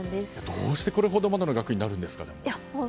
どうして、これほどまでの額になるんですかね。